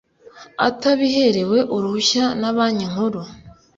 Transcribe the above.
atabiherewe uruhushya na Banki Nkuru